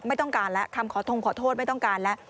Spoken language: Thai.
ไม่ต้องการแล้วคำขอทงขอโทษไม่ต้องการแล้ว